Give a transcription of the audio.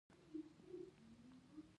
د چر سو مردار سنگ مه جوړوه.